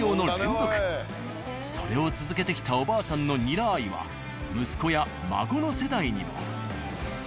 それを続けてきたおばあさんのニラ愛は息子や孫の世代にも。